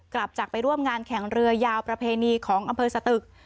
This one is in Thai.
กลับจากไปร่วมงานแข่งเรือยาวประเพณีของอำเภอสตึก